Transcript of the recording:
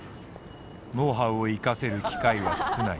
ノウハウを生かせる機会は少ない。